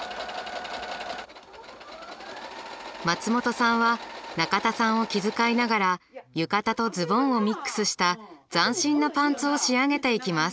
松本さんは中田さんを気遣いながら浴衣とズボンをミックスした斬新なパンツを仕上げていきます。